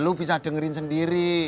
lu bisa dengerin sendiri